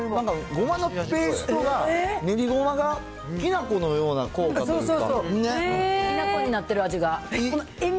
ごまのペーストが、ねりごまがきな粉のような効果というか。